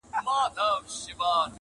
مرور نصیب به هله ورپخلا سي؛